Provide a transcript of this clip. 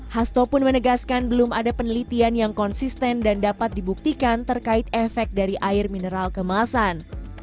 hasto pun menegaskan belum ada penelitian yang konsisten dan dapat dibuktikan terkait efek dari air mineral kemasan